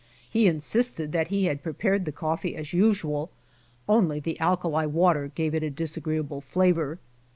He insisted that he had prepared the coffee as usual, only the alkali water gave it a disa greeable flavor.